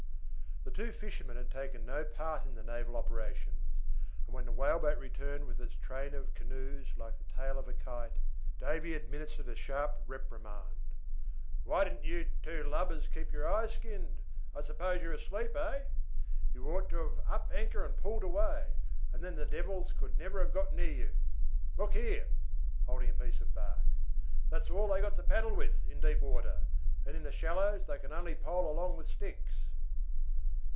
The two fishermen had taken no part in the naval operations, and when the whaleboat returned with its train of canoes like the tail of a kite, Davy administered a sharp reprimand. "Why didn't you two lubbers keep your eyes skinned. I suppose you were asleep, eh? You ought to have up anchor and pulled away, and then the devils could never got near you. Look here!" holding up a piece of bark, "that's all they've got to paddle with in deep water, and in the shallows they can only pole along with sticks."